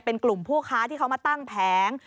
เป็นกลุ่มผู้ค้าที่เขามาตั้งแผง